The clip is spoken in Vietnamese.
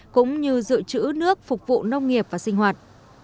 cũng như dự trữ nước phục vụ nông nghiệp và sinh hoạt